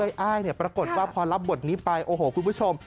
เออนางเอ้ยอ้ายปรากฏว่าพอรับบทนี้ไปโอ้โหคุณผู้ชม